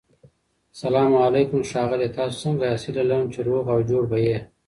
سلام علیکم ښاغلیه تاسو سنګه یاست هيله لرم چی روغ او جوړ به يي